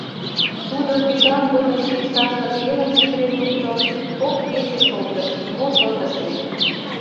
Тудо тӱтан годым чийшашлык кемым шӱдырен лукто, кок кече шолтыш — нимо шот ыш лий.